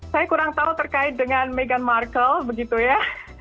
saya kurang tahu terkait dengan meghan markle begitu ya